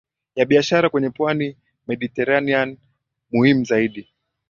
ya biashara kwenye pwani ya Mediteranea Muhimu zaidi